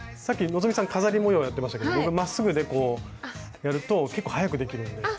さっき希さん飾り模様やってましたけど僕はまっすぐでこうやると結構早くできるんで。